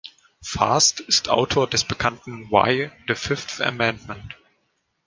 Fast ist Autor des bekannten Why the Fifth Amendment?